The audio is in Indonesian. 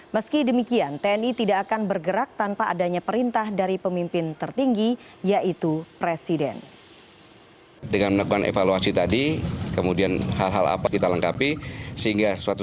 meski demikian tni tidak akan bergerak tanpa adanya perintah dari pemimpin tertinggi yaitu presiden